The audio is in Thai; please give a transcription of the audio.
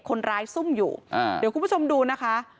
คนร้ายซุ่มอยู่อ่าเดี๋ยวคุณผู้ชมดูนะคะ